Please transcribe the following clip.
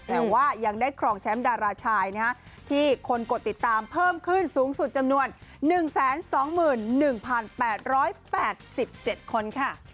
แต่ว่ายังได้ครองแชมป์ดาราชายที่คนกดติดตามเพิ่มขึ้นสูงสุดจำนวน๑๒๑๘๘๗คนค่ะ